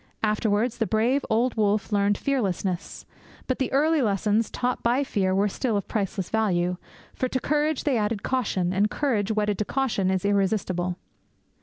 Afterwards the brave old wolf learned fearlessness; but the early lessons taught by fear were still of priceless value, for to courage they added caution; and courage wedded to caution is irresistible.